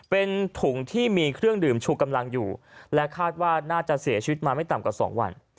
เป็นถุงที่มีเครื่องดื่มชูกำลังอยู่และคาดว่าน่าจะเสียชีวิตมาไม่ต่ำกว่า๒วัน